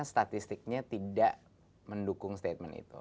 statistiknya tidak mendukung statement itu